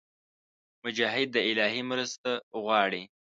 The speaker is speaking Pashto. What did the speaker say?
مجاهد د الهي مرسته غواړي.